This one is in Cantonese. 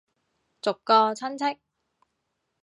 逐個親戚